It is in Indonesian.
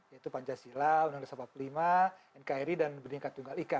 yaitu pancasila undang undang sampap lima nkri dan beringkat tunggal ika